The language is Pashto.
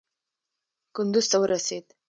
کندوز ته ورسېد.